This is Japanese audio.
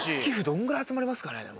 どのぐらい集まりますかね？